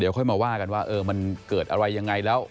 ค่อยมาว่ากันว่ามันเกิดอะไรยังไงแล้ว